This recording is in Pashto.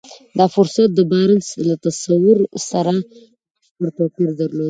دا فرصت د بارنس له تصور سره بشپړ توپير درلود.